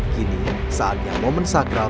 kini saatnya momen sakral